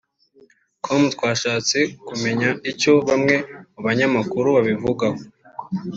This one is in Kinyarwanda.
com twashatse kumenya icyo bamwe mu banyamakuru babivugaho